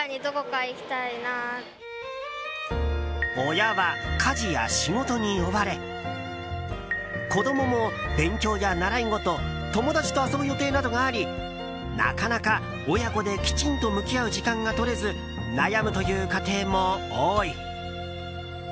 親は家事や仕事に追われ子供も勉強や習い事友達と遊ぶ予定などがありなかなか親子できちんと向き合う時間が取れず悩むという家庭も多い。